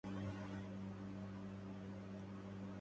ولقد ذكرتكتم بحرب ينثني